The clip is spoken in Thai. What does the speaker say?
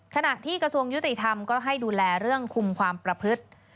ขณะที่กระทรวงยุติธรรมก็ให้ดูแลเรื่องคุมความประพฤติ